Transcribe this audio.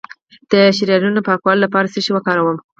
د شریانونو د پاکوالي لپاره څه شی وکاروم؟